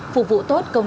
phục vụ tốt công an